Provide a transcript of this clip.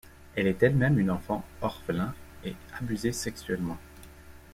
Elle est elle-même une enfant orphelin et abusée sexuellement.